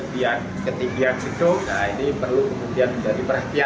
dan ketika itu ini perlu kemudian menjadi perhatian